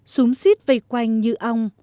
súng xít vây quanh như ong